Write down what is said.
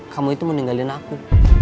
kamu itu meninggalin aku